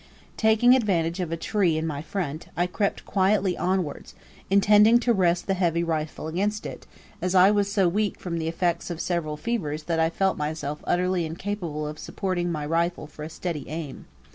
Taking advantage of a tree in my front, I crept quietly onwards, intending to rest the heavy rifle against it, as I was so weak from the effects of several fevers that I felt myself utterly incapable of supporting my rifle for a steady aim.